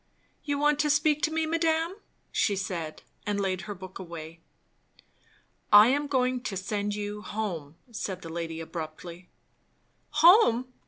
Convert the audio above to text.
"You want to speak to me, madame?" she said, and laid her book away. "I am going to send you home " said the lady abruptly. "Home!